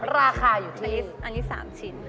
ราคาอยู่ที่อันนี้๓ชิ้น